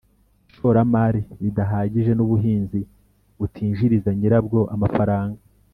ishoramari ridahagije n'ubuhinzi butinjiriza nyirabwo amafaranga